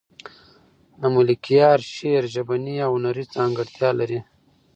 د ملکیار شعر ژبنۍ او هنري ځانګړنې لري.